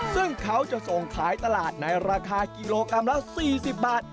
ซึ่งเขาจะส่งขายตลาดในราคากิโลกรัมละ๔๐บาท